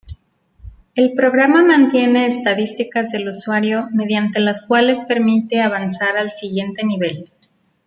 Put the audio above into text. El programa mantiene estadísticas del usuario mediante las cuales permite avanzar al siguiente nivel.